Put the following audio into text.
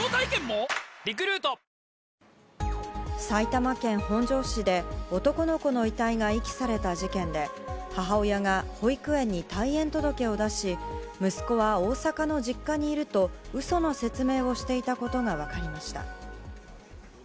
埼玉県本庄市で男の子の遺体が遺棄された事件で母親が保育園に退園届を出し息子は大阪の実家にいると嘘の説明をしていたことが分かりました。